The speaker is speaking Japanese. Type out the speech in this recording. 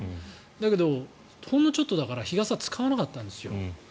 だけど、ほんのちょっとだから日傘を使わなかったんです。